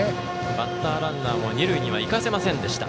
バッターランナーも二塁には行かせませんでした。